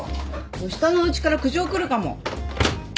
下のうちから苦情来るかも。